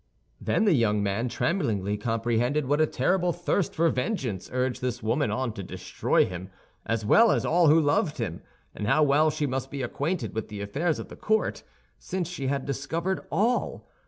Then the young man tremblingly comprehended what a terrible thirst for vengeance urged this woman on to destroy him, as well as all who loved him, and how well she must be acquainted with the affairs of the court, since she had discovered all.